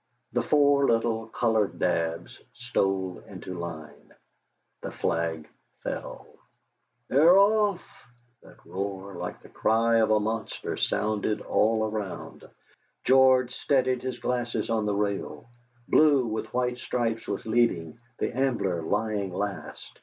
The four little Coloured daubs stole into line, the flag fell. "They're off!" That roar, like the cry of a monster, sounded all around. George steadied his glasses on the rail. Blue with white stripes was leading, the Ambler lying last.